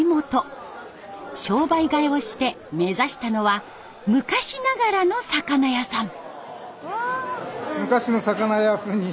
商売替えをして目指したのは昔ながらの魚屋さん。